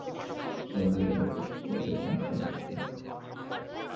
এ নিয়ে উভয় পক্ষের মধ্যে টানটান উত্তেজনা বিরাজ করছে।